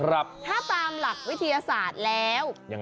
ถ้าตามหลักวิทยาศาสตร์แล้ว